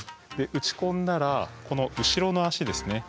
打ち込んだらこの後ろの足ですね